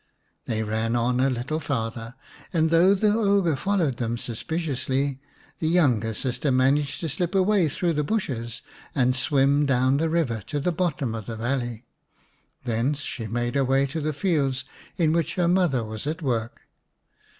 They ran on a little farther, and though the ogre followed them suspiciously the younger sister managed to slip away through the bushes and swim down the river to the bottom of the valley. Thence she made her way to the fields in which her mother was at work.